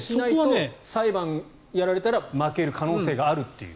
裁判やられたら負ける可能性があるという。